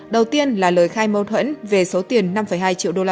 đầu tiên là lời khai mâu thuẫn về số tiền năm hai triệu usd